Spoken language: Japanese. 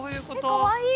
かわいい。